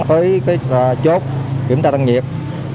với chốt kiểm tra tăng nhiệt